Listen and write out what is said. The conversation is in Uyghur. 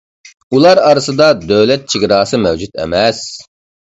ئۇلار ئارىسىدا دۆلەت چېگراسى مەۋجۇت ئەمەس.